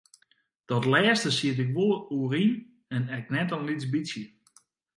Dat lêste siet ik wol oer yn en ek net in lyts bytsje.